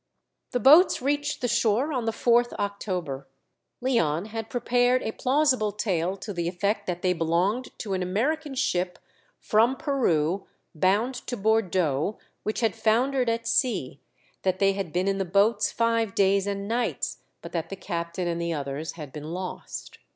The boats reached the shore on the 4th October. Leon had prepared a plausible tale to the effect that they belonged to an American ship from Peru bound to Bordeaux, which had foundered at sea; that they had been in the boats five days and nights, but that the captain and others had been lost.